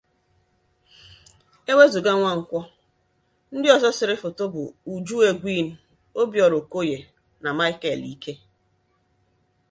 Ewezuga Nwankwo, ndị ọzọ sere foto bụ Uju Egwin, Obiora Okoye, na Michael Ike.